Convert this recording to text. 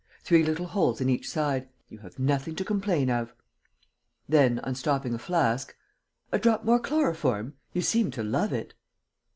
Three little holes in each side. You have nothing to complain of!" Then, unstopping a flask: "A drop more chloroform? You seem to love it!..."